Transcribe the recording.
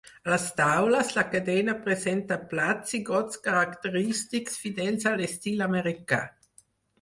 A les taules, la cadena presenta plats i gots característics fidels a l'estil americà.